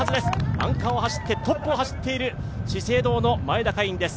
アンカーを走って、トップを走っている資生堂の前田海音です。